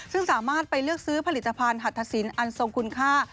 ซึ่งสามารถไปเลือกซื้อผลิตภัณฑ์หัตถสินอันทรงคุณค่า